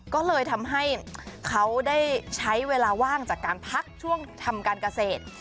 ก็เลยทำให้เขาได้ใช้เวลาว่างจากการพักช่วงทำการเกษตร